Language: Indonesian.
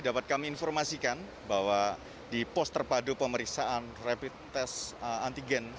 dapat kami informasikan bahwa di pos terpadu pemeriksaan rapid test antigen